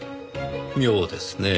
妙ですねぇ。